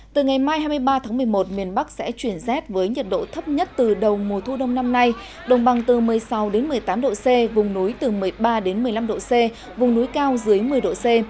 từ ngày mai hai mươi ba tháng một mươi một miền bắc sẽ chuyển rét với nhiệt độ thấp nhất từ đầu mùa thu đông năm nay đồng bằng từ một mươi sáu đến một mươi tám độ c vùng núi từ một mươi ba đến một mươi năm độ c vùng núi cao dưới một mươi độ c